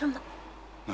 何？